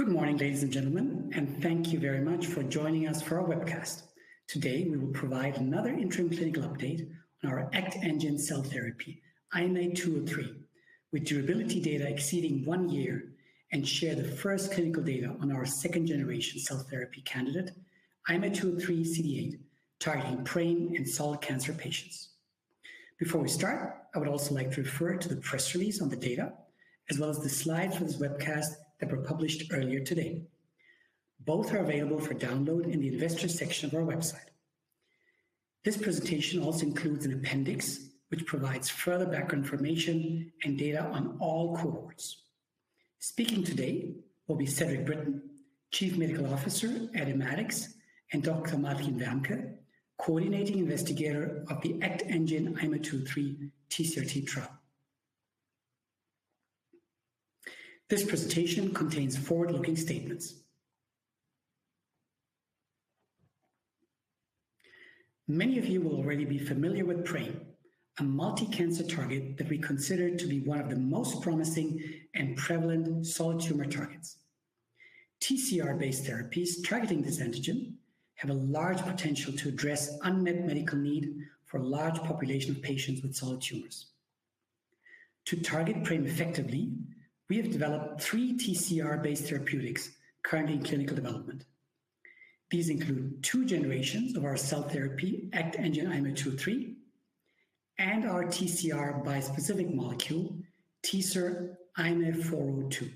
Good morning, ladies and gentlemen, and thank you very much for joining us for our webcast. Today, we will provide another interim clinical update on our ACTengine cell therapy, IMA203, with durability data exceeding one year, and share the first clinical data on our second generation cell therapy candidate, IMA203CD8, targeting PRAME and solid cancer patients. Before we start, I would also like to refer to the press release on the data, as well as the slides from this webcast that were published earlier today. Both are available for download in the Investors section of our website. This presentation also includes an appendix, which provides further background information and data on all cohorts. Speaking today will be Cedrik Britten, Chief Medical Officer at Immatics, and Dr. Martin Wermke, Coordinating Investigator of the ACTengine IMA203 TCR-T trial. This presentation contains forward-looking statements. Many of you will already be familiar with PRAME, a multi-cancer target that we consider to be one of the most promising and prevalent solid tumor targets. TCR-based therapies targeting this antigen have a large potential to address unmet medical need for a large population of patients with solid tumors. To target PRAME effectively, we have developed three TCR-based therapeutics currently in clinical development. These include two generations of our cell therapy, ACTengine IMA203, and our TCR bispecific molecule, TCER-IMA402.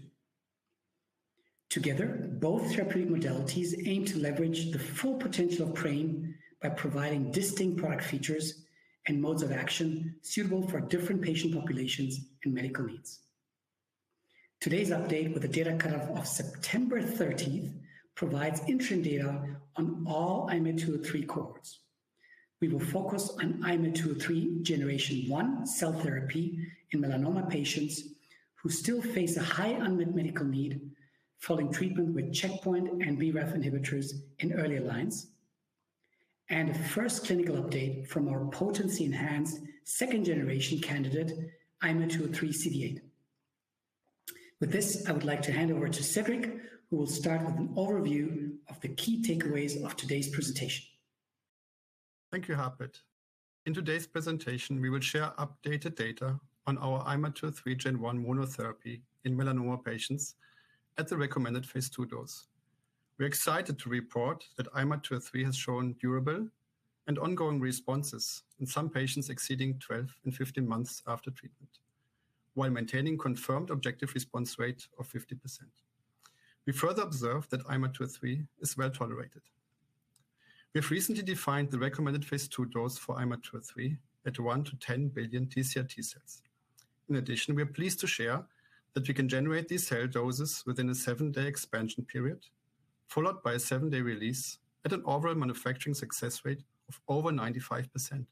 Together, both therapeutic modalities aim to leverage the full potential of PRAME by providing distinct product features and modes of action suitable for different patient populations and medical needs. Today's update, with a data cutoff of September thirteenth, provides interim data on all IMA203 cohorts. We will focus on IMA203 generation one cell therapy in melanoma patients who still face a high unmet medical need following treatment with checkpoint and BRAF inhibitors in earlier lines, and the first clinical update from our potency-enhanced second-generation candidate, IMA203CD8. With this, I would like to hand over to Cedrik, who will start with an overview of the key takeaways of today's presentation. Thank you, Harpreet. In today's presentation, we will share updated data on our IMA203 gen one monotherapy in melanoma patients at the recommended phase II dose. We're excited to report that IMA203 has shown durable and ongoing responses in some patients exceeding 12 and 15 months after treatment, while maintaining confirmed objective response rate of 50%. We further observed that IMA203 is well tolerated. We have recently defined the recommended phase II dose for IMA203 at 1-10 billion TCR-T cells. In addition, we are pleased to share that we can generate these cell doses within a 7-day expansion period, followed by a 7-day release at an overall manufacturing success rate of over 95%.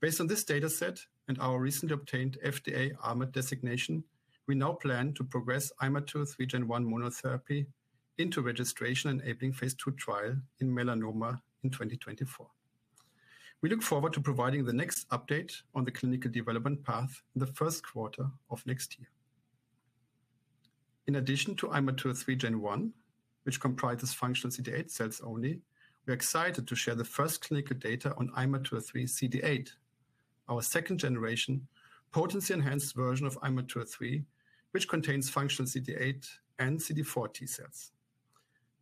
Based on this data set and our recently obtained FDA RMAT designation, we now plan to progress IMA203 gen one monotherapy into registration-enabling phase II trial in melanoma in 2024. We look forward to providing the next update on the clinical development path in the first quarter of next year. In addition to IMA203 gen one, which comprises functional CD8 cells only, we're excited to share the first clinical data on IMA203 CD8, our second-generation, potency-enhanced version of IMA203, which contains functional CD8 and CD4 T cells.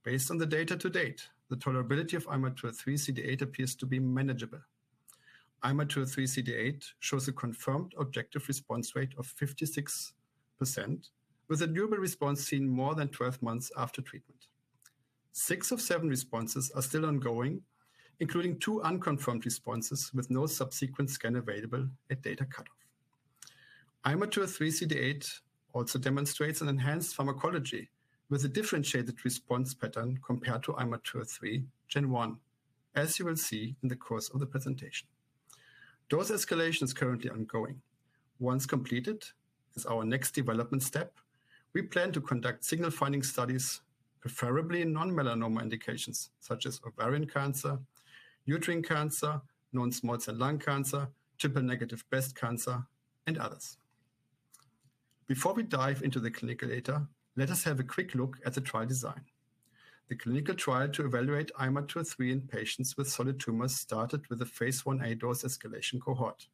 Based on the data to date, the tolerability of IMA203 CD8 appears to be manageable. IMA203 CD8 shows a confirmed objective response rate of 56%, with a durable response seen more than 12 months after treatment. 6 of 7 responses are still ongoing, including 2 unconfirmed responses with no subsequent scan available at data cutoff. IMA203 CD8 also demonstrates an enhanced pharmacology with a differentiated response pattern compared to IMA203 gen one, as you will see in the course of the presentation. Dose escalation is currently ongoing. Once completed, as our next development step, we plan to conduct signal finding studies, preferably in non-melanoma indications such as ovarian cancer, uterine cancer, non-small cell lung cancer, triple-negative breast cancer, and others. Before we dive into the clinical data, let us have a quick look at the trial design. The clinical trial to evaluate IMA203 in patients with solid tumors started with a phase IA dose escalation cohort.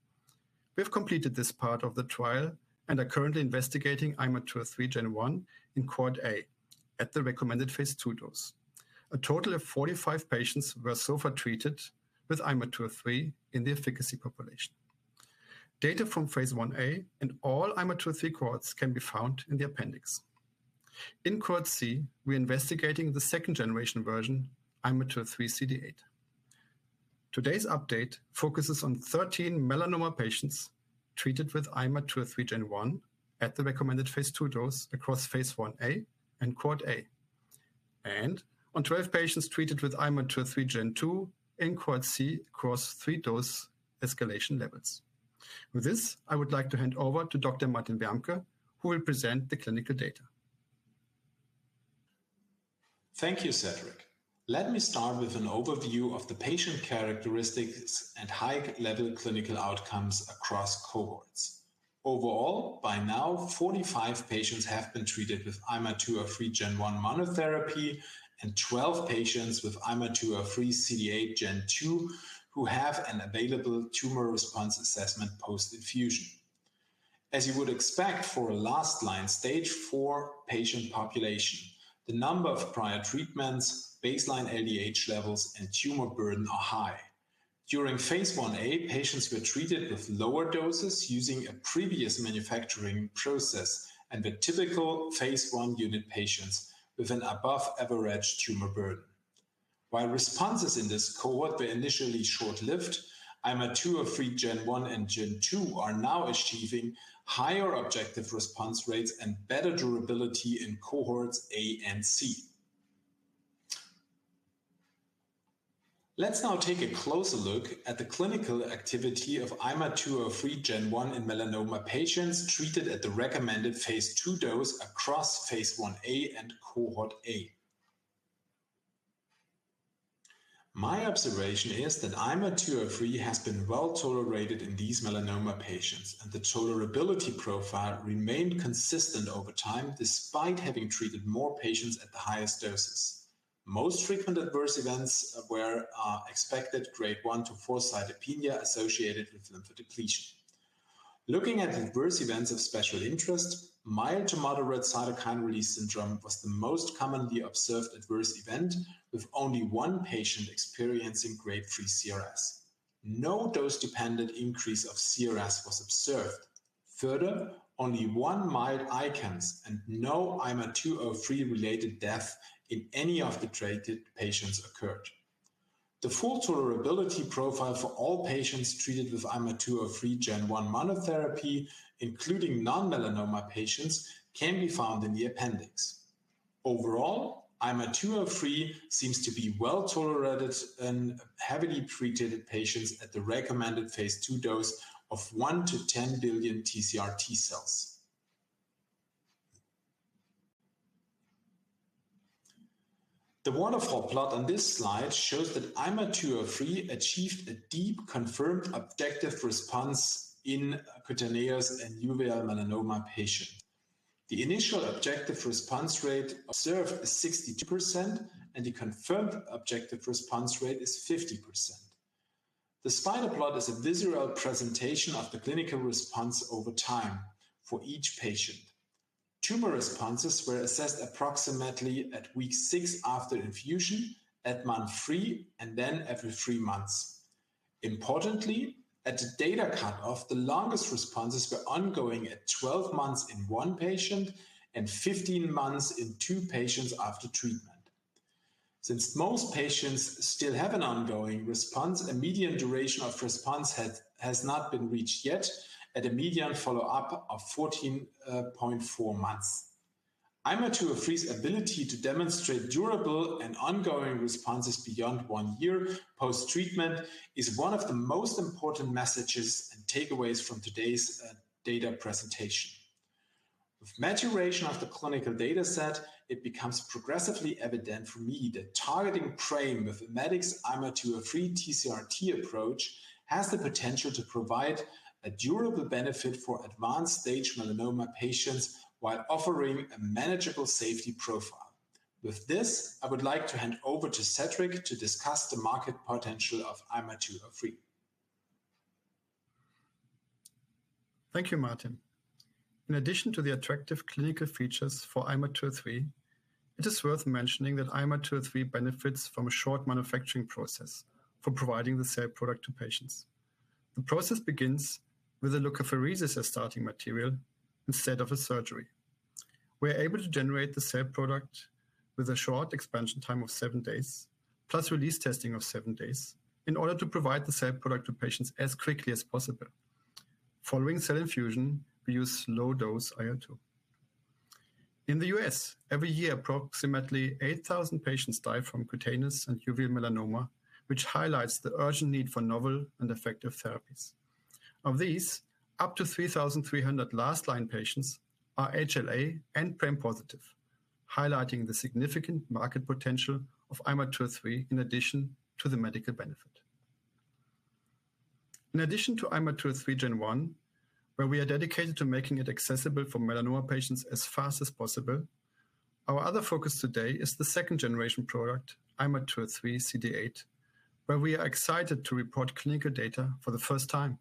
We've completed this part of the trial and are currently investigating IMA203 gen 1 in cohort A at the recommended phase II dose. A total of 45 patients were so far treated with IMA203 in the efficacy population. Data from phase IA and all IMA203 cohorts can be found in the appendix. In cohort C, we're investigating the second-generation version, IMA203CD8. Today's update focuses on 13 melanoma patients treated with IMA203 gen 1 at the recommended phase II dose across phase IA and cohort A, and on 12 patients treated with IMA203 gen 2 in cohort C across 3 dose escalation levels. With this, I would like to hand over to Dr. Martin Wermke, who will present the clinical data.... Thank you, Cedrik. Let me start with an overview of the patient characteristics and high-level clinical outcomes across cohorts. Overall, by now, 45 patients have been treated with IMA203 Gen 1 monotherapy, and 12 patients with IMA203 CD8 Gen 2, who have an available tumor response assessment post-infusion. As you would expect for a last-line stage four patient population, the number of prior treatments, baseline LDH levels, and tumor burden are high. During phase IA, patients were treated with lower doses using a previous manufacturing process and the typical phase I cohort patients with an above-average tumor burden. While responses in this cohort were initially short-lived, IMA203 Gen 1 and Gen 2 are now achieving higher objective response rates and better durability in cohorts A and C. Let's now take a closer look at the clinical activity of IMA203 Gen 1 in melanoma patients treated at the recommended phaseII dose across phase IA and cohort A. My observation is that IMA203 has been well tolerated in these melanoma patients, and the tolerability profile remained consistent over time, despite having treated more patients at the highest doses. Most frequent adverse events were expected grade 1 to 4 cytopenia associated with lymphodepletion. Looking at adverse events of special interest, mild to moderate cytokine release syndrome was the most commonly observed adverse event, with only 1 patient experiencing grade 3 CRS. No dose-dependent increase of CRS was observed. Further, only 1 mild ICANS and no IMA203-related death in any of the treated patients occurred. The full tolerability profile for all patients treated with IMA203 Gen 1 monotherapy, including non-melanoma patients, can be found in the appendix. Overall, IMA203 seems to be well-tolerated in heavily pretreated patients at the recommended phaseII dose of 1-10 billion TCR-T cells. The waterfall plot on this slide shows that IMA203 achieved a deep, confirmed objective response in cutaneous and uveal melanoma patients. The initial objective response rate observed is 62%, and the confirmed objective response rate is 50%. The spider plot is a visual presentation of the clinical response over time for each patient. Tumor responses were assessed approximately at week 6 after infusion, at month 3, and then every 3 months. Importantly, at the data cutoff, the longest responses were ongoing at 12 months in one patient and 15 months in two patients after treatment. Since most patients still have an ongoing response, a median duration of response has not been reached yet at a median follow-up of 14.4 months. IMA203's ability to demonstrate durable and ongoing responses beyond one year post-treatment is one of the most important messages and takeaways from today's data presentation. With maturation of the clinical data set, it becomes progressively evident for me that targeting PRAME with Immatics IMA203 TCR-T approach has the potential to provide a durable benefit for advanced stage melanoma patients while offering a manageable safety profile. With this, I would like to hand over to Cedrik to discuss the market potential of IMA203. Thank you, Martin. In addition to the attractive clinical features for IMA203, it is worth mentioning that IMA203 benefits from a short manufacturing process for providing the cell product to patients. The process begins with a leukapheresis as starting material instead of a surgery. We're able to generate the cell product with a short expansion time of 7 days, plus release testing of 7 days in order to provide the cell product to patients as quickly as possible. Following cell infusion, we use low-dose IL-2. In the U.S., every year, approximately 8,000 patients die from cutaneous and uveal melanoma, which highlights the urgent need for novel and effective therapies. Of these, up to 3,300 last-line patients are HLA and PRAME positive, highlighting the significant market potential of IMA203 in addition to the medical benefit. In addition to IMA203 Gen 1, where we are dedicated to making it accessible for melanoma patients as fast as possible, our other focus today is the second-generation product, IMA203 CD8, where we are excited to report clinical data for the first time.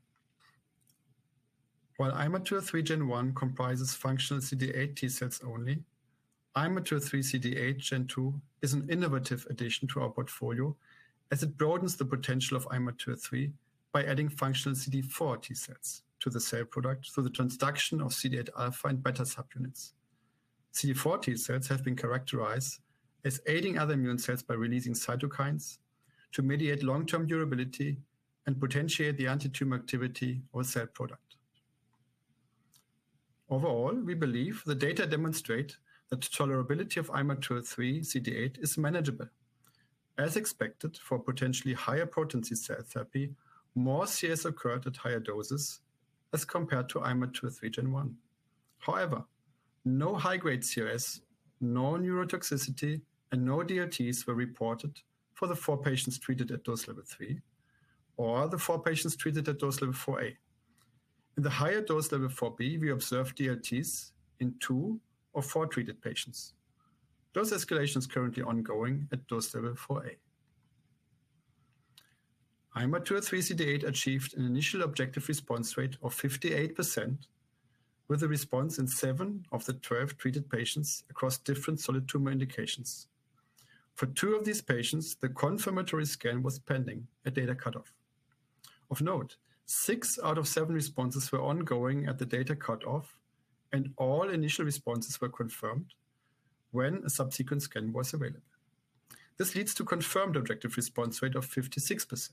While IMA203 Gen 1 comprises functional CD8 T cells only, IMA203 CD8 Gen 2 is an innovative addition to our portfolio as it broadens the potential of IMA203 by adding functional CD4 T cells to the cell product through the transduction of CD8 alpha and beta subunits. CD4 T cells have been characterized as aiding other immune cells by releasing cytokines to mediate long-term durability and potentiate the antitumor activity or cell product. Overall, we believe the data demonstrate that the tolerability of IMA203 CD8 is manageable. As expected, for potentially higher potency cell therapy, more CS occurred at higher doses as compared to IMA203 Gen 1. However, no high-grade CRS, no neurotoxicity, and no DLTs were reported for the 4 patients treated at dose level 3 or the 4 patients treated at dose level 4A. In the higher dose level 4B, we observed DLTs in 2 of 4 treated patients. Dose escalation is currently ongoing at dose level 4A. IMA203 CD8 achieved an initial objective response rate of 58%, with a response in 7 of the 12 treated patients across different solid tumor indications. For 2 of these patients, the confirmatory scan was pending at data cutoff. Of note, 6 out of 7 responses were ongoing at the data cutoff, and all initial responses were confirmed when a subsequent scan was available. This leads to confirmed objective response rate of 56%.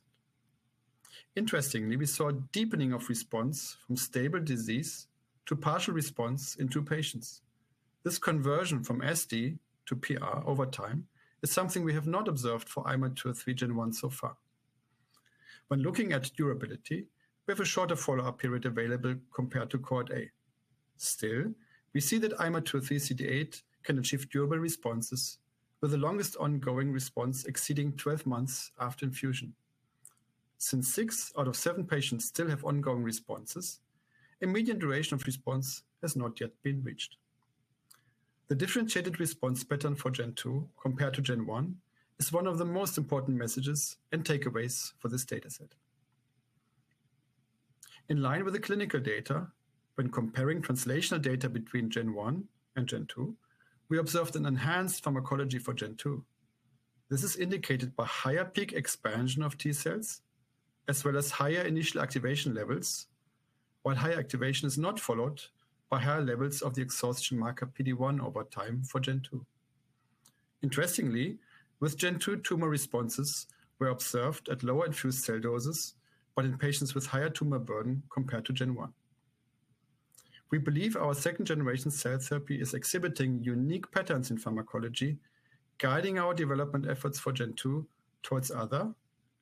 Interestingly, we saw a deepening of response from stable disease to partial response in 2 patients. This conversion from SD to PR over time is something we have not observed for IMA203 Gen 1 so far. When looking at durability, we have a shorter follow-up period available compared to Cohort A. Still, we see that IMA203CD8 can achieve durable responses, with the longest ongoing response exceeding 12 months after infusion. Since 6 out of 7 patients still have ongoing responses, a median duration of response has not yet been reached. The differentiated response pattern for Gen 2 compared to Gen 1 is one of the most important messages and takeaways for this data set. In line with the clinical data, when comparing translational data between Gen 1 and Gen 2, we observed an enhanced pharmacology for Gen 2. This is indicated by higher peak expansion of T cells, as well as higher initial activation levels, while higher activation is not followed by higher levels of the exhaustion marker PD-1 over time for Gen 2. Interestingly, with Gen 2, tumor responses were observed at lower infused cell doses, but in patients with higher tumor burden compared to Gen 1. We believe our second-generation cell therapy is exhibiting unique patterns in pharmacology, guiding our development efforts for Gen 2 towards other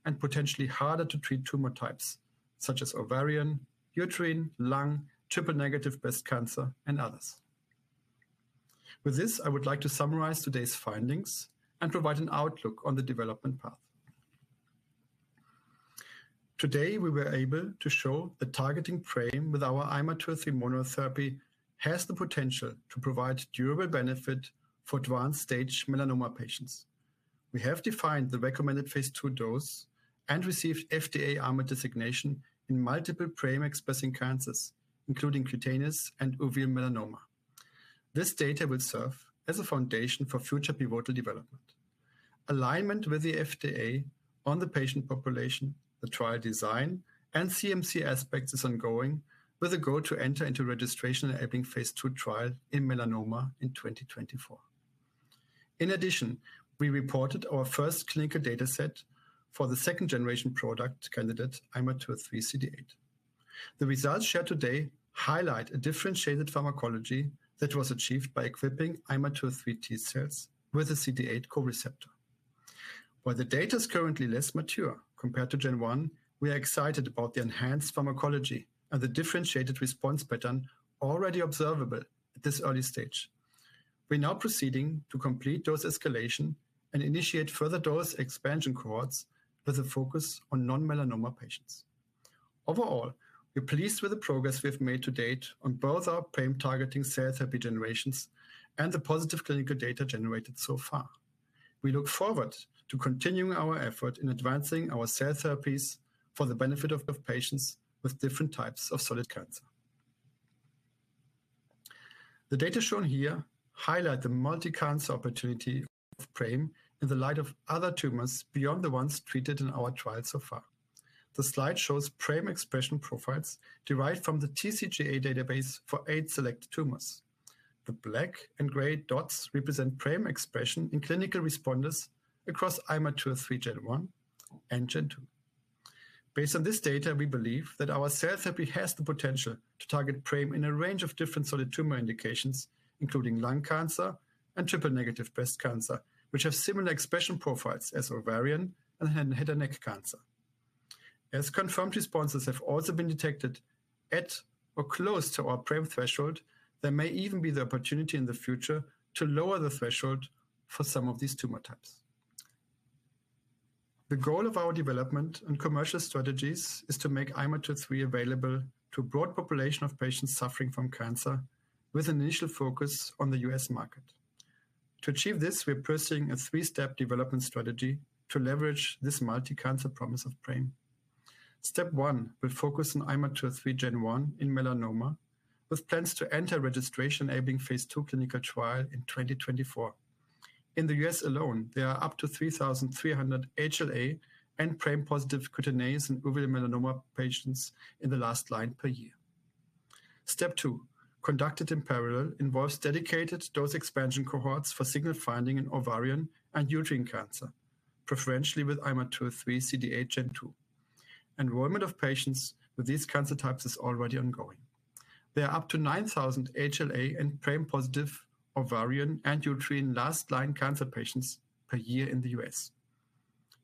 and potentially harder-to-treat tumor types, such as ovarian, uterine, lung, triple-negative breast cancer, and others. With this, I would like to summarize today's findings and provide an outlook on the development path. Today, we were able to show the targeting PRAME with our IMA203 monotherapy has the potential to provide durable benefit for advanced-stage melanoma patients. We have defined the recommended phaseII dose and received FDA RMAT designation in multiple PRAME-expressing cancers, including cutaneous and uveal melanoma. This data will serve as a foundation for future pivotal development. Alignment with the FDA on the patient population, the trial design, and CMC aspects is ongoing, with a goal to enter into registration-enabling phase II trial in melanoma in 2024. In addition, we reported our first clinical data set for the second-generation product candidate, IMA203CD8. The results shared today highlight a differentiated pharmacology that was achieved by equipping IMA203 T cells with a CD8 co-receptor. While the data is currently less mature compared to Gen 1, we are excited about the enhanced pharmacology and the differentiated response pattern already observable at this early stage. We're now proceeding to complete dose escalation and initiate further dose expansion cohorts with a focus on non-melanoma patients. Overall, we're pleased with the progress we've made to date on both our PRAME-targeting cell therapy generations and the positive clinical data generated so far. We look forward to continuing our effort in advancing our cell therapies for the benefit of patients with different types of solid cancer. The data shown here highlight the multi-cancer opportunity of PRAME in the light of other tumors beyond the ones treated in our trial so far. The slide shows PRAME expression profiles derived from the TCGA database for eight selected tumors. The black and gray dots represent PRAME expression in clinical responders across IMA203 Gen 1 and Gen 2. Based on this data, we believe that our cell therapy has the potential to target PRAME in a range of different solid tumor indications, including lung cancer and triple-negative breast cancer, which have similar expression profiles as ovarian and head and neck cancer. As confirmed responses have also been detected at or close to our PRAME threshold, there may even be the opportunity in the future to lower the threshold for some of these tumor types. The goal of our development and commercial strategies is to make IMA203 available to a broad population of patients suffering from cancer, with an initial focus on the U.S. market. To achieve this, we're pursuing a three-step development strategy to leverage this multi-cancer promise of PRAME. Step one will focus on IMA203 Gen 1 in melanoma, with plans to enter registration-enabling phase II clinical trial in 2024. In the U.S. alone, there are up to 3,300 HLA- and PRAME-positive cutaneous and uveal melanoma patients in the last line per year. Step two, conducted in parallel, involves dedicated dose expansion cohorts for signal finding in ovarian and uterine cancer, preferentially with IMA203 CD8 Gen 2. Enrollment of patients with these cancer types is already ongoing. There are up to 9,000 HLA- and PRAME-positive ovarian and uterine last line cancer patients per year in the U.S.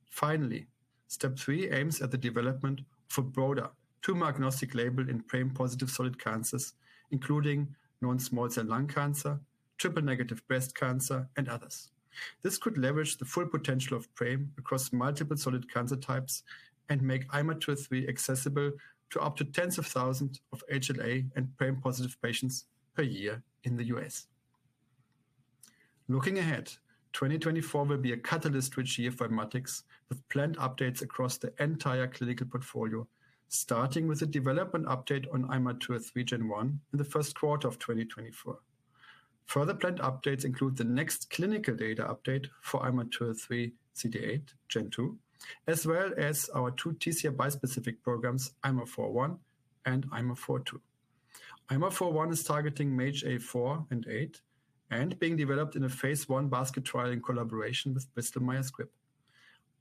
Finally, step three aims at the development of a broader tumor-agnostic label in PRAME-positive solid cancers, including non-small cell lung cancer, triple-negative breast cancer, and others. This could leverage the full potential of PRAME across multiple solid cancer types and make IMA203 accessible to up to tens of thousands of HLA- and PRAME-positive patients per year in the U.S. Looking ahead, 2024 will be a catalyst for Immatics, with planned updates across the entire clinical portfolio, starting with a development update on IMA203 Gen 1 in the first quarter of 2024. Further planned updates include the next clinical data update for IMA203 CD8 gen two, as well as our two TCR bispecific programs, IMA401 and IMA402. IMA401 is targeting MAGE-A4 and MAGE-A8, and being developed in a phase I basket trial in collaboration with Bristol Myers Squibb.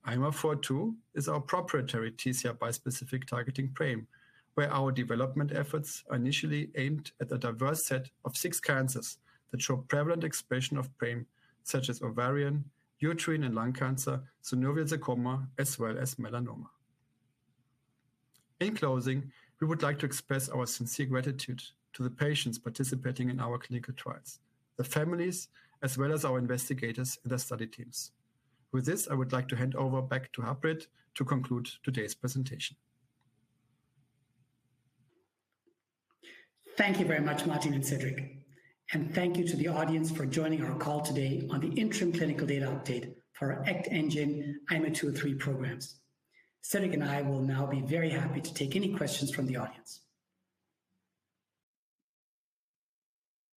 IMA402 is our proprietary TCR bispecific targeting PRAME, where our development efforts are initially aimed at a diverse set of six cancers that show prevalent expression of PRAME, such as ovarian, uterine, and lung cancer, synovial sarcoma, as well as melanoma. In closing, we would like to express our sincere gratitude to the patients participating in our clinical trials, the families, as well as our investigators and the study teams. With this, I would like to hand over back to Harpreet to conclude today's presentation. Thank you very much, Martin and Cedrik, and thank you to the audience for joining our call today on the interim clinical data update for our ACTengine IMA203 programs. Cedrik and I will now be very happy to take any questions from the audience.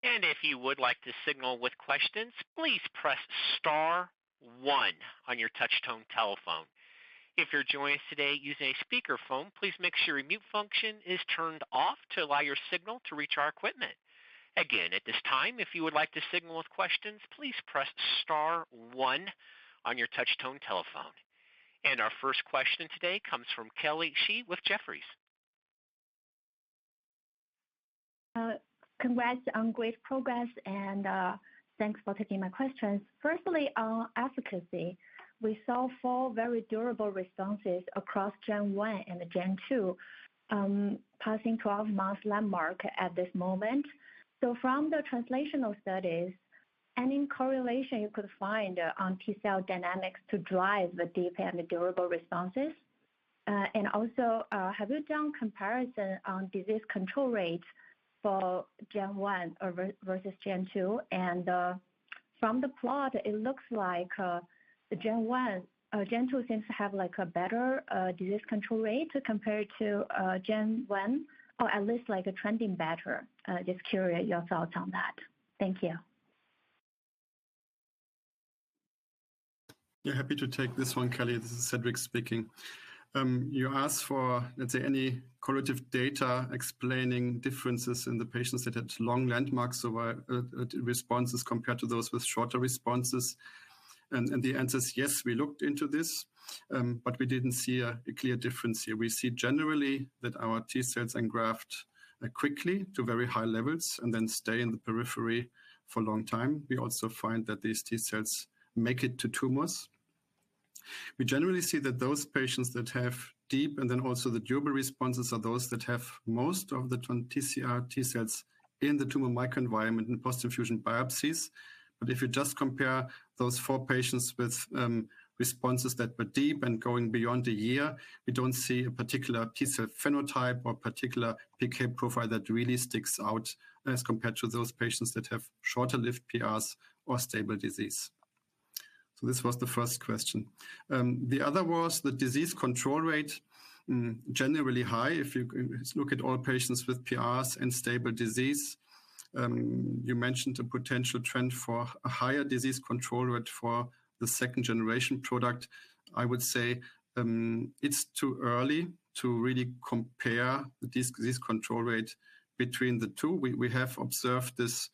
If you would like to signal with questions, please press star one on your touchtone telephone. If you're joining us today using a speakerphone, please make sure your mute function is turned off to allow your signal to reach our equipment. Again, at this time, if you would like to signal with questions, please press star one on your touchtone telephone. Our first question today comes from Kelly Shi with Jefferies. Congrats on great progress, and thanks for taking my questions. Firstly, on efficacy, we saw four very durable responses across gen one and the gen two, passing 12-month landmark at this moment. So from the translational studies, any correlation you could find on T cell dynamics to drive the deep and durable responses? And also, have you done comparison on disease control rates for gen one or versus gen two? And from the plot, it looks like gen two seems to have, like, a better disease control rate compared to gen one, or at least, like, a trending better. Just curious your thoughts on that. Thank you. Yeah, happy to take this one, Kelly. This is Cedrik speaking. You asked for, let's say, any correlative data explaining differences in the patients that had long landmarks or responses compared to those with shorter responses. And the answer is yes, we looked into this, but we didn't see a clear difference here. We see generally that our T cells engraft quickly to very high levels and then stay in the periphery for a long time. We also find that these T cells make it to tumors. We generally see that those patients that have deep, and then also the durable responses, are those that have most of the TCR T cells in the tumor microenvironment in post-infusion biopsies. But if you just compare those four patients with responses that were deep and going beyond a year, we don't see a particular T cell phenotype or particular PK profile that really sticks out as compared to those patients that have shorter-lived PRs or stable disease. So this was the first question. The other was the disease control rate, generally high if you look at all patients with PRs and stable disease. You mentioned a potential trend for a higher disease control rate for the second-generation product. I would say, it's too early to really compare the disease control rate between the two. We have observed this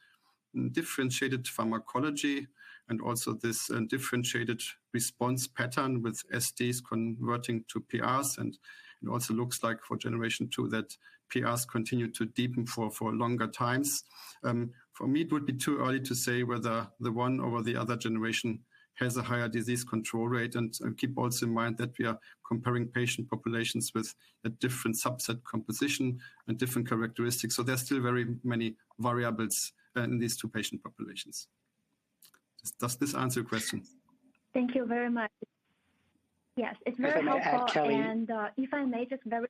differentiated pharmacology and also this differentiated response pattern with SDs converting to PRs, and it also looks like for generation two, that PRs continue to deepen for longer times. For me, it would be too early to say whether the one or the other generation has a higher disease control rate. And, keep also in mind that we are comparing patient populations with a different subset composition and different characteristics, so there are still very many variables in these two patient populations. Does this answer your question? Thank you very much. Yes, it's very helpful- If I may add, Kelly. And, if I may just very...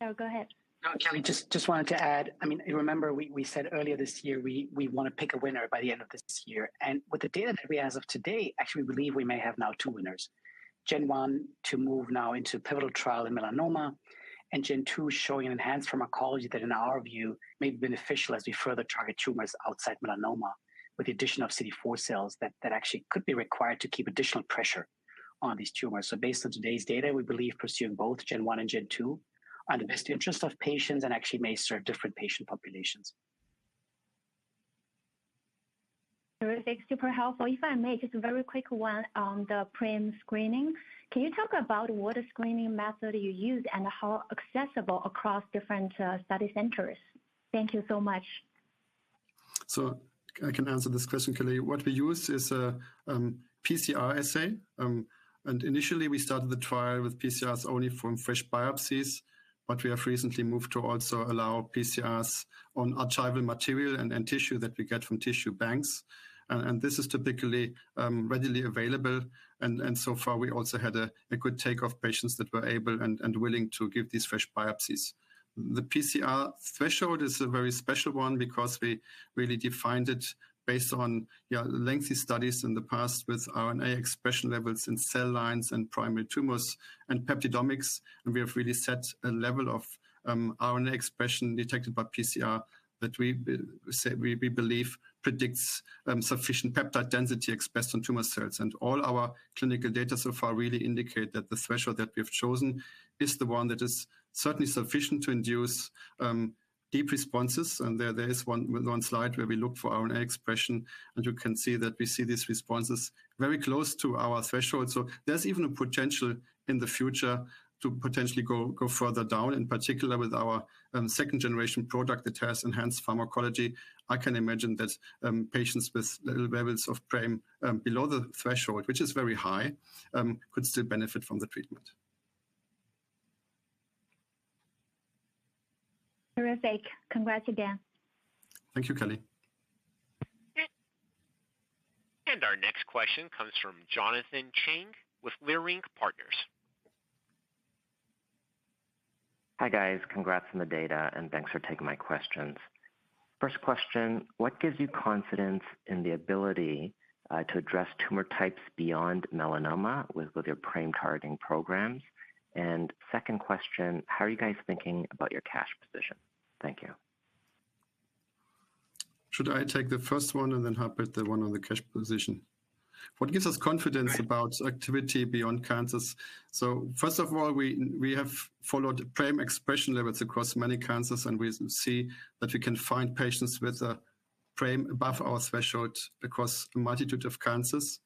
No, go ahead. No, Kelly, just wanted to add, I mean, remember we said earlier this year, we want to pick a winner by the end of this year. And with the data that we have as of today, actually, we believe we may have now two winners. Gen 1 to move now into pivotal trial in melanoma, and Gen 2 showing an enhanced pharmacology that, in our view, may be beneficial as we further target tumors outside melanoma, with the addition of CD4 cells, that actually could be required to keep additional pressure on these tumors. So based on today's data, we believe pursuing both Gen 1 and Gen 2 are in the best interest of patients and actually may serve different patient populations.... Terrific, super helpful. If I may, just a very quick one on the PRAME screening. Can you talk about what screening method you use and how accessible across different study centers? Thank you so much. So I can answer this question, Kelly. What we use is a PCR assay. Initially, we started the trial with PCRs only from fresh biopsies, but we have recently moved to also allow PCRs on archival material and tissue that we get from tissue banks. And this is typically readily available, and so far, we also had a good take of patients that were able and willing to give these fresh biopsies. The PCR threshold is a very special one because we really defined it based on, yeah, lengthy studies in the past with RNA expression levels in cell lines and primary tumors and peptidomics. And we have really set a level of RNA expression detected by PCR that we believe predicts sufficient peptide density expressed on tumor cells. All our clinical data so far really indicate that the threshold that we have chosen is the one that is certainly sufficient to induce deep responses. There is one slide where we look for RNA expression, and you can see that we see these responses very close to our threshold. There's even a potential in the future to potentially go further down, in particular with our second generation product that has enhanced pharmacology. I can imagine that patients with low levels of PRAME below the threshold, which is very high, could still benefit from the treatment. Terrific. Congrats again. Thank you, Kelly. Our next question comes from Jonathan Chang with Leerink Partners. Hi, guys. Congrats on the data, and thanks for taking my questions. First question: What gives you confidence in the ability to address tumor types beyond melanoma with your PRAME-targeting programs? And second question: How are you guys thinking about your cash position? Thank you. Should I take the first one, and then, Hubert, the one on the cash position? Sure. What gives us confidence about activity beyond cancers? So first of all, we have followed PRAME expression levels across many cancers, and we see that we can find patients with a PRAME above our threshold across a multitude of cancers.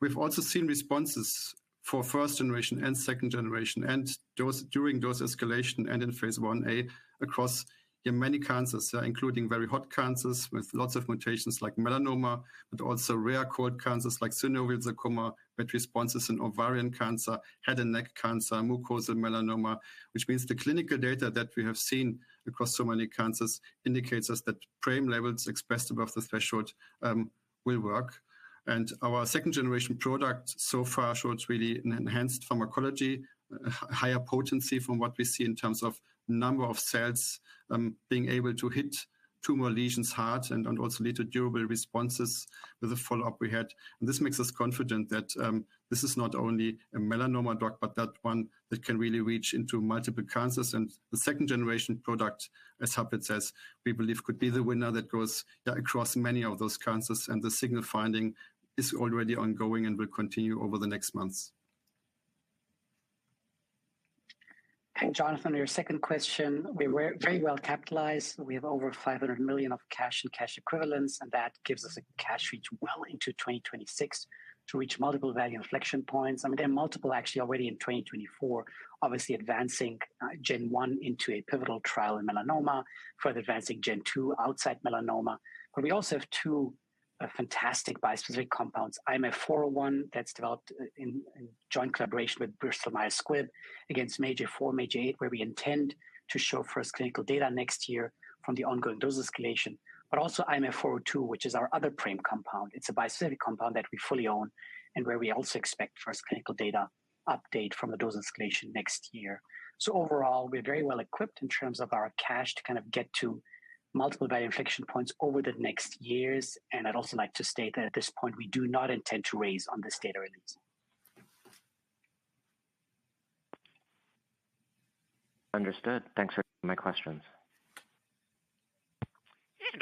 We've also seen responses for first generation and second generation, and those during dose escalation and in phase IA across in many cancers, including very hot cancers with lots of mutations like melanoma, but also rare cold cancers like synovial sarcoma, with responses in ovarian cancer, head and neck cancer, mucosal melanoma. Which means the clinical data that we have seen across so many cancers indicates us that PRAME levels expressed above the threshold will work. Our second-generation product so far shows really an enhanced pharmacology, higher potency from what we see in terms of number of cells, being able to hit tumor lesions hard and also lead to durable responses with the follow-up we had. This makes us confident that this is not only a melanoma drug, but that one that can really reach into multiple cancers. The second-generation product, as Hubert says, we believe could be the winner that goes across many of those cancers, and the signal finding is already ongoing and will continue over the next months. Hey, Jonathan, your second question. We're very well capitalized. We have over $500 million of cash and cash equivalents, and that gives us a cash reach well into 2026 to reach multiple value inflection points. I mean, there are multiple actually already in 2024, obviously advancing gen 1 into a pivotal trial in melanoma, further advancing gen 2 outside melanoma. But we also have two fantastic bispecific compounds. IMA401, that's developed in joint collaboration with Bristol Myers Squibb against MAGE-A4, MAGE-A8, where we intend to show first clinical data next year from the ongoing dose escalation. But also IMA402, which is our other PRAME compound. It's a bispecific compound that we fully own and where we also expect first clinical data update from the dose escalation next year. Overall, we're very well equipped in terms of our cash to kind of get to multiple value inflection points over the next years. I'd also like to state that at this point, we do not intend to raise on this data release. Understood. Thanks for taking my questions.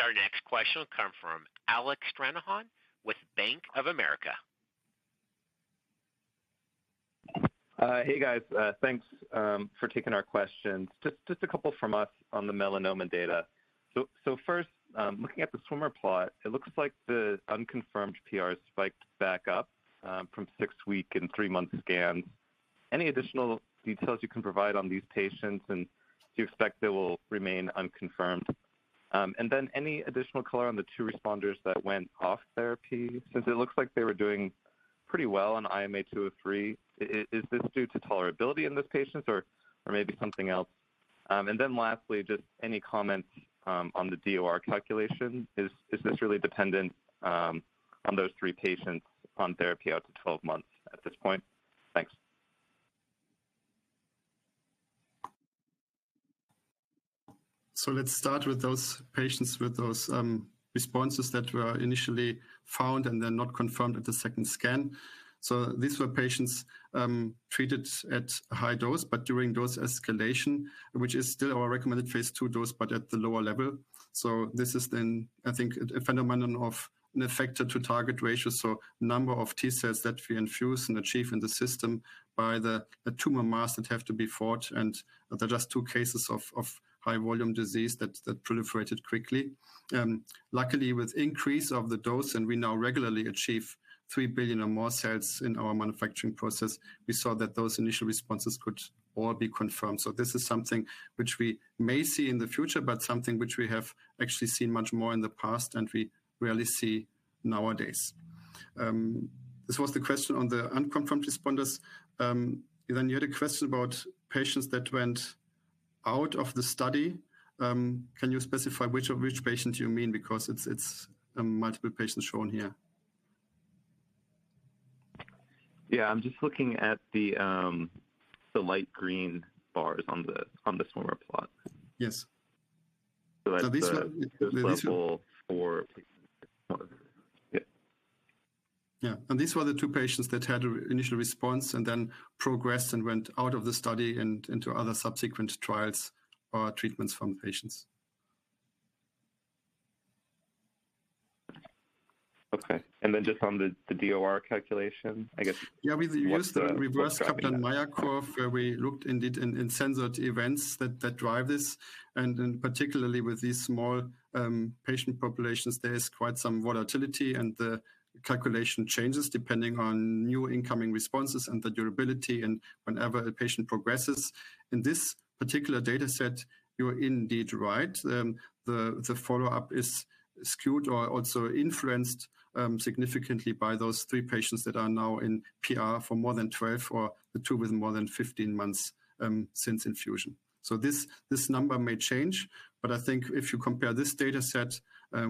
Our next question will come from Alec Stranahan with Bank of America. Hey, guys. Thanks for taking our questions. Just a couple from us on the melanoma data. So first, looking at the swimmer plot, it looks like the unconfirmed PR spiked back up from six-week and three-month scans. Any additional details you can provide on these patients, and do you expect they will remain unconfirmed? And then any additional color on the two responders that went off therapy, since it looks like they were doing pretty well on IMA203. Is this due to tolerability in these patients or maybe something else? And then lastly, just any comments on the DOR calculation. Is this really dependent on those three patients on therapy out to 12 months at this point? Thanks. So let's start with those patients with those responses that were initially found and then not confirmed at the second scan. So these were patients treated at high dose, but during dose escalation, which is still our recommended phase II dose, but at the lower level. So this is then, I think, a phenomenon of an effector-to-target ratio, so number of T cells that we infuse and achieve in the system by the tumor mass that have to be fought. And they're just two cases of high volume disease that proliferated quickly. Luckily, with increase of the dose, and we now regularly achieve 3 billion or more cells in our manufacturing process, we saw that those initial responses could all be confirmed. This is something which we may see in the future, but something which we have actually seen much more in the past, and we rarely see nowadays. This was the question on the unconfirmed responders. Then you had a question about patients that went out of the study. Can you specify which patients you mean? Because it's multiple patients shown here. Yeah, I'm just looking at the light green bars on the swarm plot. Yes. So these were- The level for... Yeah. Yeah, and these were the two patients that had an initial response and then progressed and went out of the study and into other subsequent trials or treatments from patients. Okay. And then just on the, the DOR calculation, I guess- Yeah, we used the reverse Kaplan-Meier curve, where we looked indeed in censored events that drive this, and then particularly with these small patient populations, there is quite some volatility, and the calculation changes depending on new incoming responses and the durability and whenever a patient progresses. In this particular data set, you're indeed right. The follow-up is skewed or also influenced significantly by those three patients that are now in PR for more than 12, or the two with more than 15 months since infusion. So this number may change, but I think if you compare this data set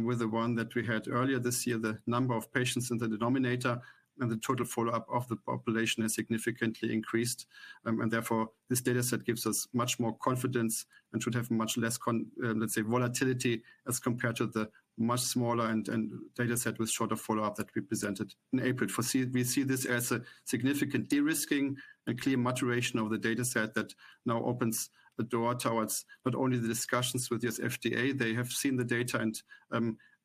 with the one that we had earlier this year, the number of patients in the denominator and the total follow-up of the population has significantly increased. And therefore, this data set gives us much more confidence and should have much less volatility, as compared to the much smaller and data set with shorter follow-up that we presented in April. We see this as a significant de-risking and clear maturation of the data set that now opens the door towards not only the discussions with U.S. FDA. They have seen the data and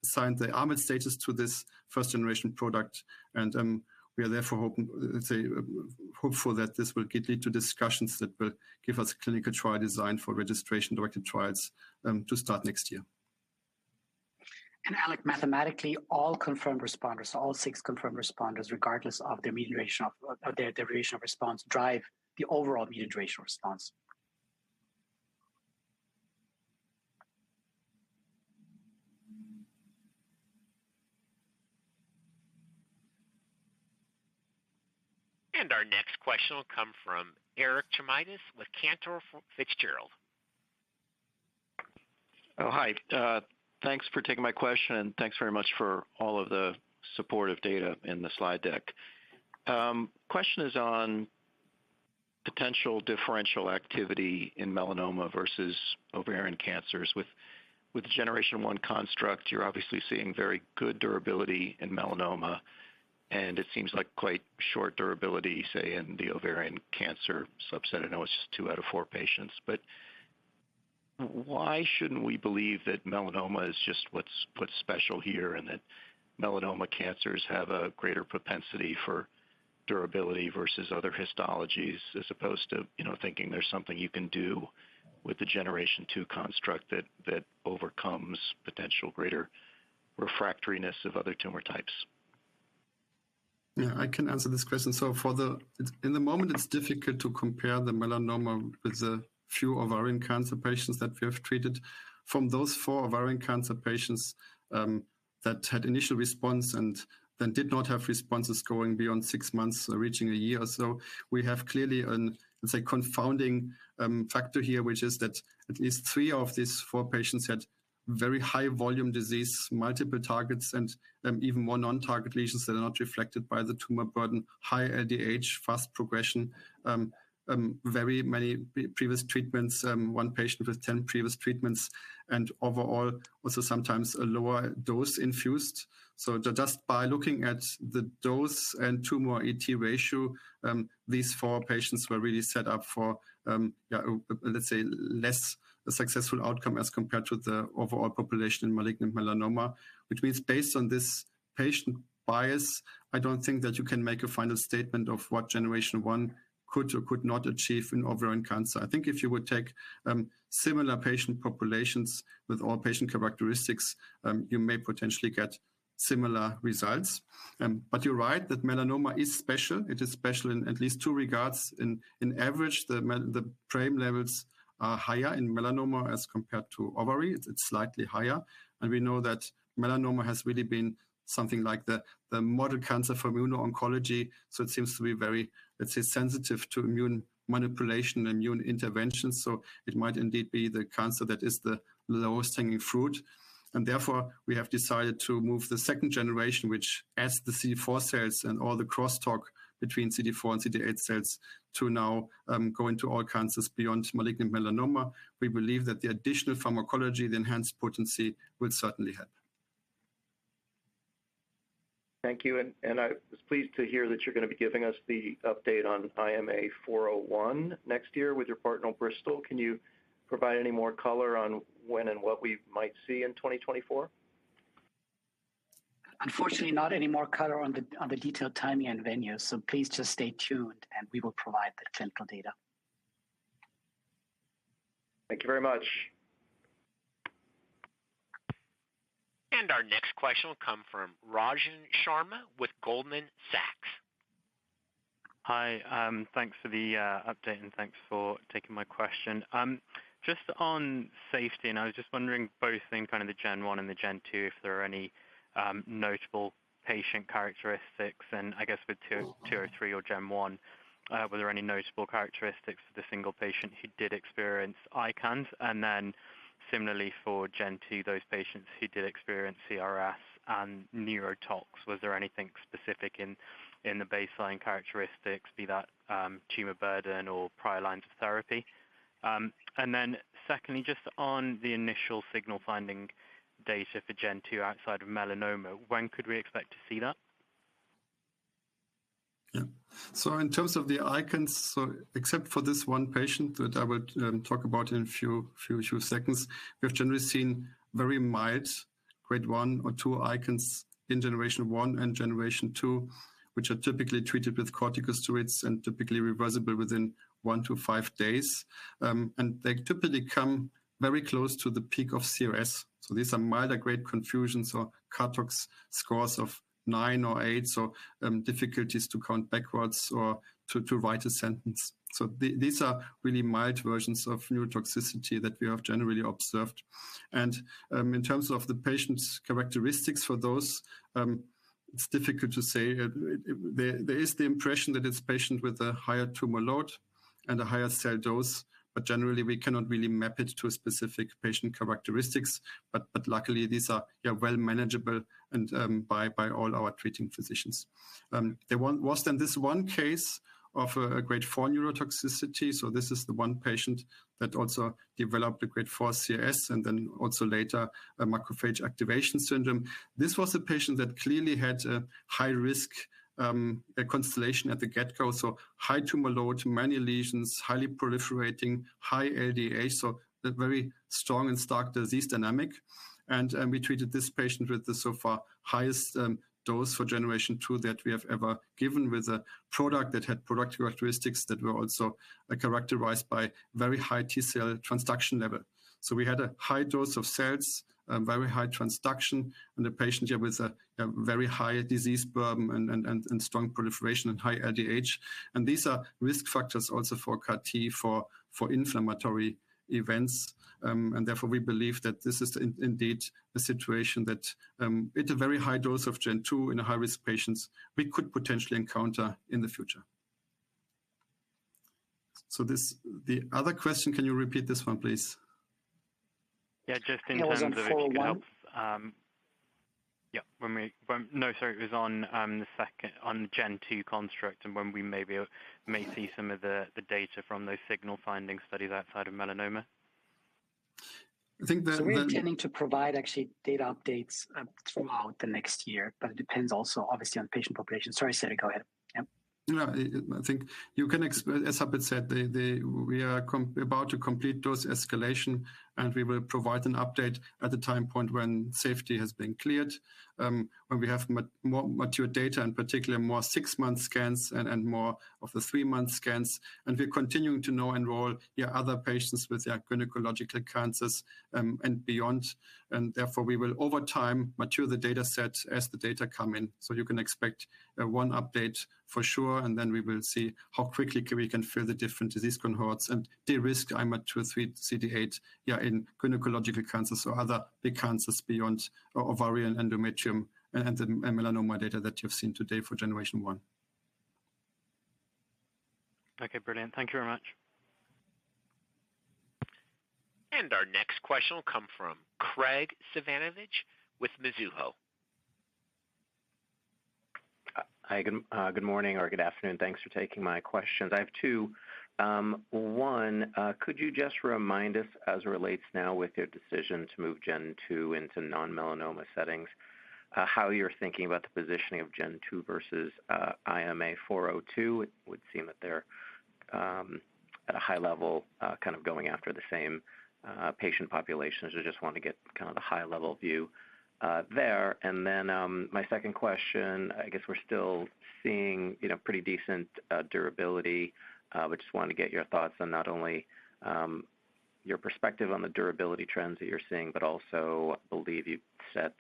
assigned the RMAT status to this first-generation product. And we are therefore hoping, let's say, hopeful that this will lead to discussions that will give us a clinical trial design for registration-directed trials to start next year. Alex, mathematically, all confirmed responders, so all 6 confirmed responders, regardless of their median of their duration of response, drive the overall median duration of response. Our next question will come from Eric Schmidt with Cantor Fitzgerald. Oh, hi. Thanks for taking my question, and thanks very much for all of the supportive data in the slide deck. Question is on potential differential activity in melanoma versus ovarian cancers. With generation one construct, you're obviously seeing very good durability in melanoma, and it seems like quite short durability, say, in the ovarian cancer subset. I know it's just two out of four patients, but why shouldn't we believe that melanoma is just what's special here, and that melanoma cancers have a greater propensity for durability versus other histologies, as opposed to, you know, thinking there's something you can do with the generation two construct that overcomes potential greater refractoriness of other tumor types? Yeah, I can answer this question. So for the... It's in the moment, it's difficult to compare the melanoma with the few ovarian cancer patients that we have treated. From those 4 ovarian cancer patients that had initial response and then did not have responses going beyond 6 months, reaching a year or so, we have clearly an, let's say, confounding factor here, which is that at least 3 of these 4 patients had very high volume disease, multiple targets, and even more non-target lesions that are not reflected by the tumor burden, high LDH, fast progression, very many previous treatments, one patient with 10 previous treatments, and overall, also sometimes a lower dose infused. So just by looking at the dose and tumor ET ratio, these four patients were really set up for, let's say, less successful outcome as compared to the overall population in malignant melanoma. Which means based on this patient bias, I don't think that you can make a final statement of what generation one could or could not achieve in ovarian cancer. I think if you would take similar patient populations with all patient characteristics, you may potentially get similar results. But you're right, that melanoma is special. It is special in at least two regards. In average, the PRAME levels are higher in melanoma as compared to ovary. It's slightly higher, and we know that melanoma has really been something like the, the model cancer for immuno-oncology, so it seems to be very, let's say, sensitive to immune manipulation and immune intervention. So it might indeed be the cancer that is the lowest hanging fruit, and therefore, we have decided to move the second generation, which adds the CD4 cells and all the crosstalk between CD4 and CD8 cells, to now, go into all cancers beyond malignant melanoma. We believe that the additional pharmacology, the enhanced potency, will certainly help. Thank you. I was pleased to hear that you're gonna be giving us the update on IMA401 next year with your partner, Bristol. Can you provide any more color on when and what we might see in 2024? Unfortunately, not any more color on the detailed timing and venue, so please just stay tuned, and we will provide the central data. Thank you very much. Our next question will come from Rajan Sharma with Goldman Sachs.... Hi, thanks for the update, and thanks for taking my question. Just on safety, and I was just wondering, both in kind of the Gen 1 and the Gen 2, if there are any notable patient characteristics, and I guess with 2, 2 or 3 or Gen 1, were there any notable characteristics for the single patient who did experience ICANS? And then similarly for Gen 2, those patients who did experience CRS and neurotox, was there anything specific in the baseline characteristics, be that tumor burden or prior lines of therapy? And then secondly, just on the initial signal finding data for Gen 2 outside of melanoma, when could we expect to see that? Yeah. So in terms of the ICANS, so except for this one patient that I would talk about in a few seconds, we have generally seen very mild grade 1 or 2 ICANS in generation 1 and generation 2, which are typically treated with corticosteroids and typically reversible within 1-5 days. And they typically come very close to the peak of CRS. So these are mild grade confusion, so CARTOX scores of 9 or 8, so difficulties to count backwards or to write a sentence. So these are really mild versions of neurotoxicity that we have generally observed. And in terms of the patient's characteristics for those, it's difficult to say. There is the impression that it's patients with a higher tumor load and a higher cell dose, but generally, we cannot really map it to a specific patient characteristics. But luckily, these are manageable, and by all our treating physicians. There was then this one case of a grade 4 neurotoxicity, so this is the one patient that also developed a grade 4 CRS, and then also later, a macrophage activation syndrome. This was a patient that clearly had a high risk, a constellation at the get-go, so high tumor load, many lesions, highly proliferating, high LDH, so that very strong and stark disease dynamic. And we treated this patient with the so far highest dose for generation two that we have ever given, with a product that had product characteristics that were also characterized by very high T-cell transduction level. So we had a high dose of cells, very high transduction, and the patient here with a very high disease burden and strong proliferation and high LDH. And these are risk factors also for CAR T, for inflammatory events. And therefore, we believe that this is indeed a situation that at a very high dose of Gen two in high-risk patients, we could potentially encounter in the future. So this... The other question, can you repeat this one, please? Yeah, just in terms of if it helps, That was on 401. Yeah, no, sorry, it was on the second, on Gen 2 construct and when we may see some of the data from those signal finding studies outside of melanoma. I think the- So we are intending to provide actually data updates throughout the next year, but it depends also, obviously, on patient population. Sorry, Cedrik, go ahead. Yeah. No, I think you can expect, as Harpreet said, we are about to complete those escalations, and we will provide an update at the time point when safety has been cleared, when we have more mature data, and particularly more 6-month scans and more of the 3-month scans. We're continuing to now enroll other patients with their gynecological cancers and beyond. Therefore, we will over time mature the data set as the data come in. So you can expect one update for sure, and then we will see how quickly we can fill the different disease cohorts and de-risk IMA203 CD8 in gynecological cancers or other big cancers beyond ovarian, endometrium, and melanoma data that you've seen today for generation one. Okay, brilliant. Thank you very much. Our next question will come from Graig Suvannavejh with Mizuho. Hi, good morning or good afternoon. Thanks for taking my questions. I have 2. One, could you just remind us as it relates now with your decision to move Gen 2 into non-melanoma settings, how you're thinking about the positioning of Gen 2 versus IMA402? It would seem that they're at a high level kind of going after the same patient population. So I just want to get kind of the high-level view there. And then my second question, I guess we're still seeing, you know, pretty decent durability. But just wanted to get your thoughts on not only your perspective on the durability trends that you're seeing, but also I believe you've set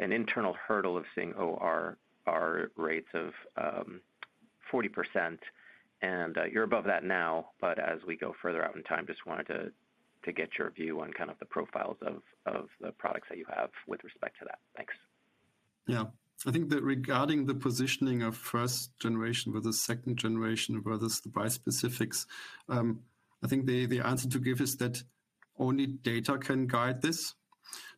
an internal hurdle of seeing ORR rates of 40%, and you're above that now. But as we go further out in time, just wanted to get your view on kind of the profiles of the products that you have with respect to that. Thanks. Yeah. So I think that regarding the positioning of first generation with the second generation, whether it's the bispecifics, I think the, the answer to give is that only data can guide this,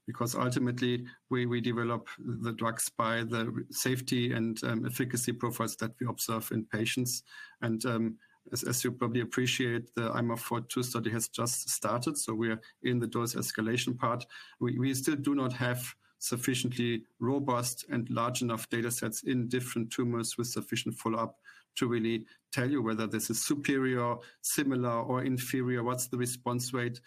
because ultimately, we, we develop the drugs by the safety and, efficacy profiles that we observe in patients. And, as, as you probably appreciate, the IMA402 study has just started, so we are in the dose escalation part. We, we still do not have sufficiently robust and large enough data sets in different tumors with sufficient follow-up to really tell you whether this is superior, similar, or inferior, what's the response rate?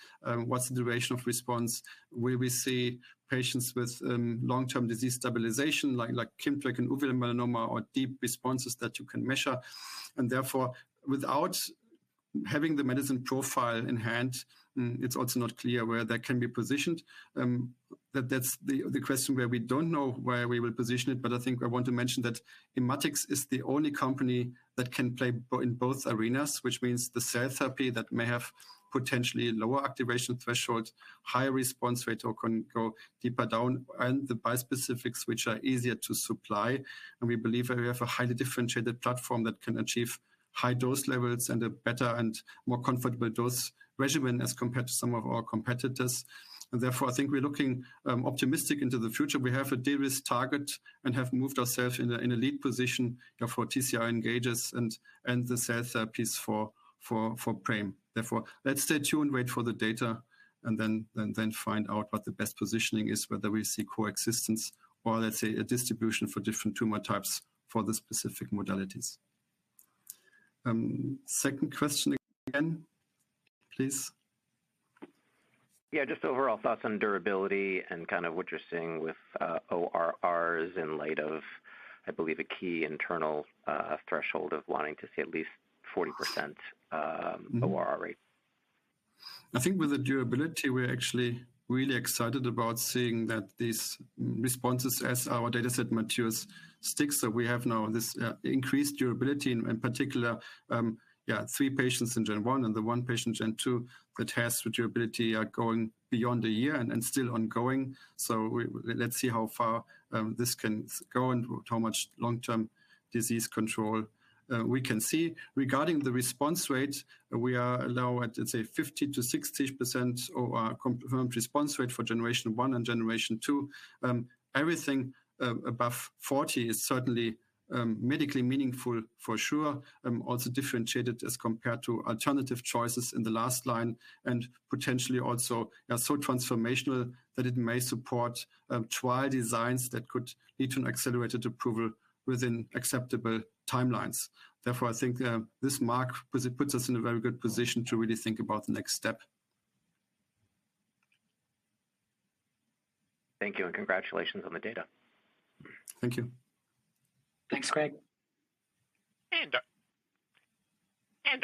What's the duration of response? Will we see patients with, long-term disease stabilization, like, like Kimmtrak and uveal melanoma, or deep responses that you can measure? And therefore, without... Having the medicine profile in hand, it's also not clear where that can be positioned. That's the question where we don't know where we will position it, but I think I want to mention that Immatics is the only company that can play both in both arenas, which means the cell therapy that may have potentially lower activation threshold, higher response rate, or can go deeper down, and the bispecifics, which are easier to supply. And we believe that we have a highly differentiated platform that can achieve high dose levels and a better and more comfortable dose regimen as compared to some of our competitors. And therefore, I think we're looking optimistic into the future. We have a de-risk target and have moved ourselves in a lead position, you know, for TCR engagers and the cell therapies for PRAME. Therefore, let's stay tuned, wait for the data, and then, and then find out what the best positioning is, whether we see coexistence or, let's say, a distribution for different tumor types for the specific modalities. Second question again, please? Yeah, just overall thoughts on durability and kind of what you're seeing with ORRs in light of, I believe, a key internal threshold of wanting to see at least 40%. Mm-hmm... ORR rate. I think with the durability, we're actually really excited about seeing that these responses, as our dataset matures, sticks. So we have now this increased durability, in particular, 3 patients in gen one and the 1 patient gen two, that has durability, are going beyond a year and still ongoing. So let's see how far this can go and how much long-term disease control we can see. Regarding the response rate, we are now at, let's say, 50%-60% confirmed ORR for generation one and generation two. Everything above 40% is certainly medically meaningful, for sure, also differentiated as compared to alternative choices in the last line, and potentially also are so transformational that it may support trial designs that could lead to an accelerated approval within acceptable timelines. Therefore, I think, this mark puts us in a very good position to really think about the next step. Thank you, and congratulations on the data. Thank you. Thanks, Craig. And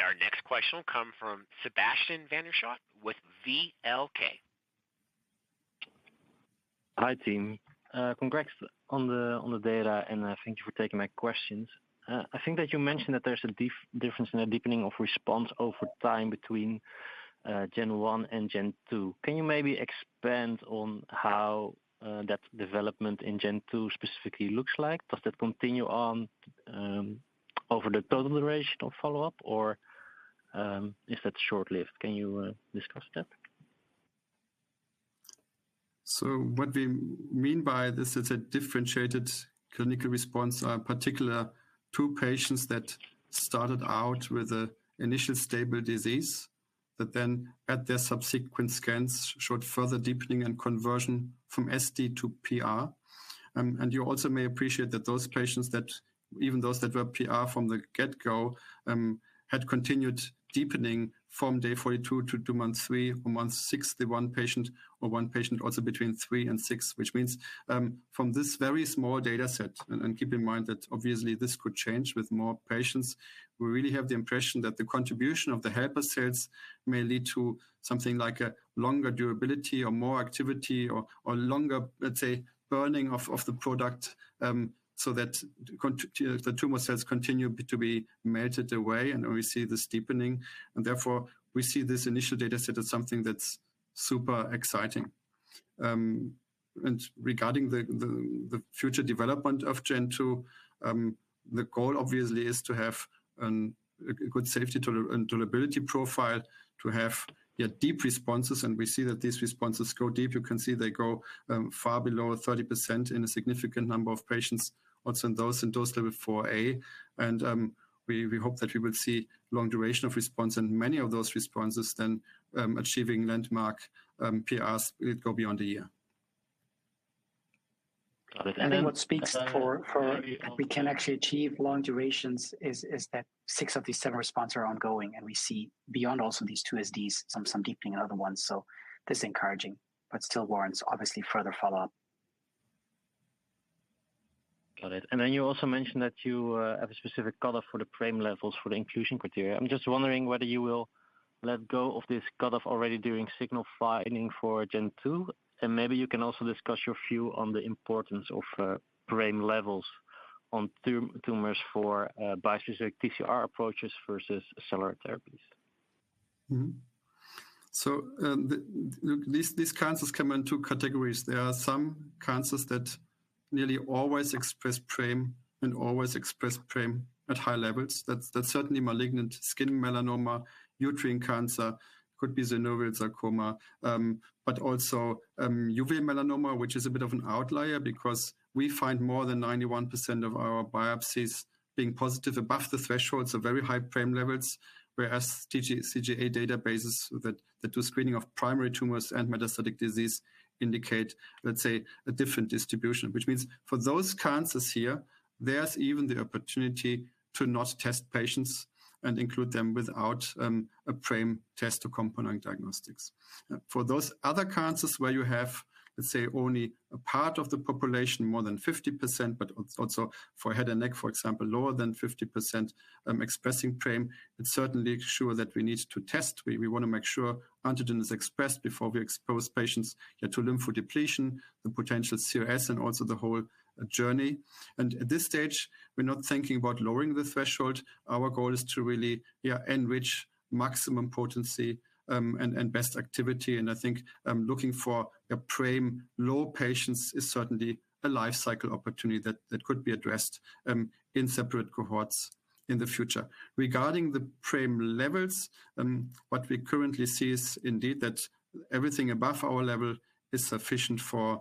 our next question will come from Sebastiaan van der Schoot with VLK. Hi, team. Congrats on the data, and thank you for taking my questions. I think that you mentioned that there's a difference in the deepening of response over time between gen one and gen two. Can you maybe expand on how that development in gen two specifically looks like? Does that continue on over the total duration of follow-up, or is that short-lived? Can you discuss that? So what we mean by this is a differentiated clinical response, particular to patients that started out with a initial stable disease, but then at their subsequent scans, showed further deepening and conversion from SD to PR. And you also may appreciate that those patients, that even those that were PR from the get-go, had continued deepening from day 42 to 2 months, 3 months, 6 months, the 1 patient, or 1 patient also between 3 and 6, which means, from this very small data set, and keep in mind that obviously this could change with more patients, we really have the impression that the contribution of the helper cells may lead to something like a longer durability or more activity or longer, let's say, burning of the product, so that the tumor cells continue to be melted away, and we see this deepening, and therefore, we see this initial data set as something that's super exciting. And regarding the future development of Gen 2, the goal obviously is to have a good safety tolerability and durability profile, to have deep responses, and we see that these responses go deep. You can see they go far below 30%, in a significant number of patients, also in those in dose level 4A, and we hope that we will see long duration of response and many of those responses then achieving landmark PRs go beyond a year. Got it. And then what speaks for we can actually achieve long durations is that 6 of these 7 response are ongoing, and we see beyond also these two SDs, some deepening in other ones. So this is encouraging, but still warrants, obviously, further follow-up. Got it. And then you also mentioned that you have a specific cutoff for the PRAME levels for the inclusion criteria. I'm just wondering whether you will let go of this cutoff already during signal finding for Gen 2, and maybe you can also discuss your view on the importance of PRAME levels on tumors for bispecific TCR approaches versus cellular therapies? Mm-hmm. So, the These, these cancers come in two categories. There are some cancers that nearly always express PRAME and always express PRAME at high levels. That's, that's certainly malignant skin melanoma, uterine cancer, could be synovial sarcoma, but also, uveal melanoma, which is a bit of an outlier because we find more than 91% of our biopsies being positive above the thresholds of very high PRAME levels, whereas TCGA databases that the screening of primary tumors and metastatic disease indicate, let's say, a different distribution. Which means for those cancers here, there's even the opportunity to not test patients and include them without, a PRAME test to companion diagnostics. For those other cancers where you have, let's say, only a part of the population, more than 50%, but also for head and neck, for example, lower than 50%, expressing PRAME, it certainly ensure that we need to test. We wanna make sure antigen is expressed before we expose patients to lymphodepletion, the potential CRS, and also the whole journey. And at this stage, we're not thinking about lowering the threshold. Our goal is to really, yeah, enrich maximum potency, and best activity, and I think, looking for a PRAME low patients is certainly a life cycle opportunity that could be addressed, in separate cohorts in the future. Regarding the PRAME levels, what we currently see is indeed that everything above our level is sufficient for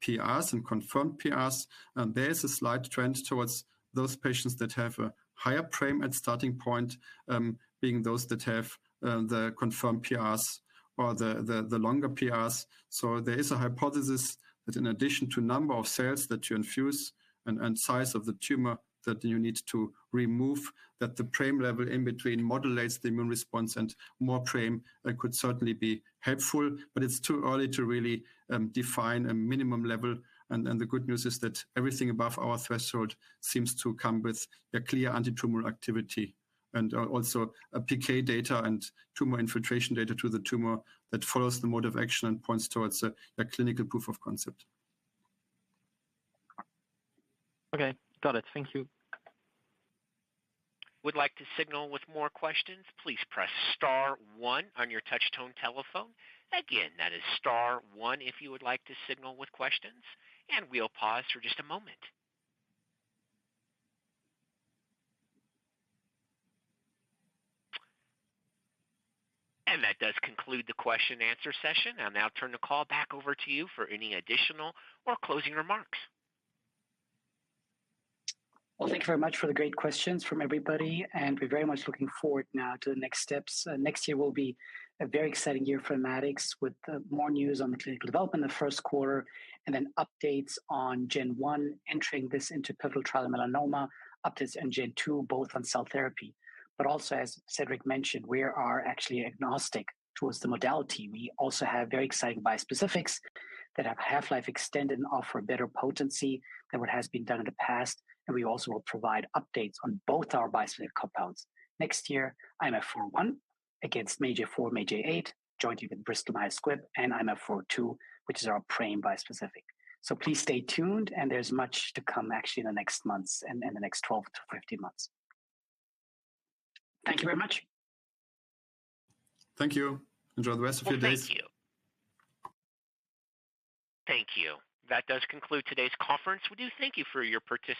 PRs and confirmed PRs, and there is a slight trend towards those patients that have a higher PRAME at starting point, being those that have the confirmed PRs or the longer PRs. So there is a hypothesis that in addition to number of cells that you infuse and size of the tumor that you need to remove, that the PRAME level in between modulates the immune response, and more PRAME could certainly be helpful. But it's too early to really define a minimum level, and the good news is that everything above our threshold seems to come with a clear antitumor activity, and also a PK data and tumor infiltration data to the tumor that follows the mode of action and points towards a clinical proof of concept. Okay, got it. Thank you. Would like to signal with more questions, please press star one on your touch tone telephone. Again, that is star one if you would like to signal with questions, and we'll pause for just a moment. That does conclude the question and answer session. I'll now turn the call back over to you for any additional or closing remarks. Well, thank you very much for the great questions from everybody, and we're very much looking forward now to the next steps. Next year will be a very exciting year for Immatics, with more news on the clinical development in the first quarter, and then updates on Gen 1, entering this into pivotal trial melanoma, updates on Gen 2, both on cell therapy. But also, as Cedrik mentioned, we are actually agnostic towards the modality. We also have very exciting bispecifics that have half-life extended and offer better potency than what has been done in the past, and we also will provide updates on both our bispecific compounds. Next year, IMA401 against MAGE-A4, MAGE-A8, jointly with Bristol Myers Squibb, and IMA402, which is our PRAME bispecific. So please stay tuned, and there's much to come actually in the next months and the next 12-15 months. Thank you very much. Thank you. Enjoy the rest of your days. Well, thank you. Thank you. That does conclude today's conference. We do thank you for your participation-